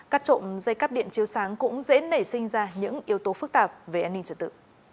cắt trộm dây cắp điện chiếu sáng cũng dễ nảy sinh ra những yếu tố phức tạp về an ninh trật tự